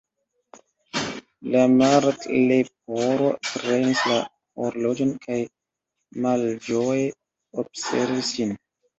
La Martleporo prenis la horloĝon, kaj malĝoje observis ĝin.